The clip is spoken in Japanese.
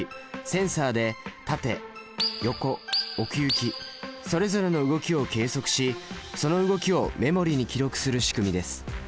センサで縦横奥行きそれぞれの動きを計測しその動きをメモリに記録するしくみです。